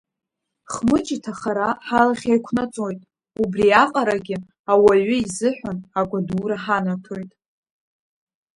Хмыҷ иҭахара ҳалахь еиқәнаҵоит, убри аҟарагьы ауаҩы изыҳәан агәадура ҳанаҭоит.